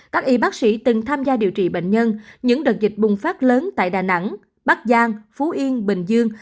các y bác sĩ từng tham gia điều trị bệnh nhân những đợt dịch bùng phát lớn tại đà nẵng bắc giang phú yên bình dương